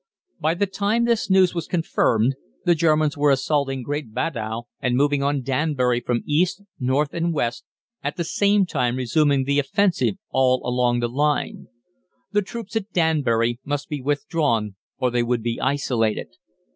By the time this news was confirmed the Germans were assaulting Great Baddow, and moving on Danbury from east, north, and west, at the same time resuming the offensive all along the line. The troops at Danbury must be withdrawn or they would be isolated.